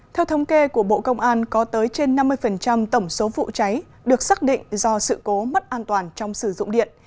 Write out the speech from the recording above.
theo thống kê của bộ công an có tới trên năm mươi tổng số vụ cháy được xác định do sự cố mất an toàn trong sử dụng điện